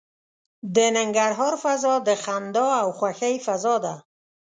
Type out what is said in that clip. د ننګرهار فضا د خندا او خوښۍ فضا ده.